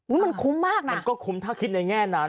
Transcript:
อุ๊ยมันคุ้มมากนะมันก็คุ้มถ้าคิดแน่นะ